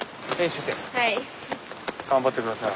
はい。